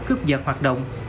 cướp giật hoạt động